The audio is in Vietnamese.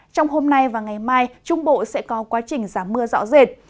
trong hôm nay và ngày mai trung bộ sẽ có quá trình giảm mưa rõ rệt